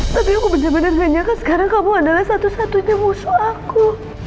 tapi aku bener bener gak nyangka sekarang kamu adalah satu satunya musuh aku